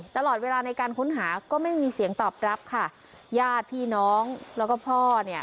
ตลอดเวลาในการค้นหาก็ไม่มีเสียงตอบรับค่ะญาติพี่น้องแล้วก็พ่อเนี่ย